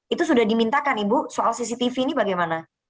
itu sudah dimintakan ibu soal cctv ini bagaimana